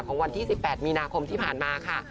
วันที่๑๘มีนาคมที่ผ่านมาค่ะ